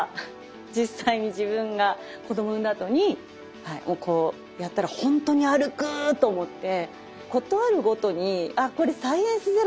実際に自分が子供産んだあとにこうやったら「ほんとに歩く！」と思って。